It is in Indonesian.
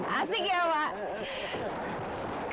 asik ya pak